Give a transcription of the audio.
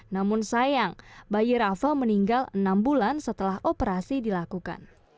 namun sayang bayi rafa meninggal enam bulan setelah operasi dilakukan